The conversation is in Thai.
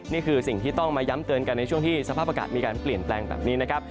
นี่คือสิ่งที่ต้องมาย้ำเตือนกันในช่วงที่สภาพอากาศมีการเปลี่ยนแปลงแบบนี้นะครับ